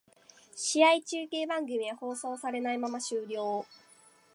試合中継番組は放送されないまま終了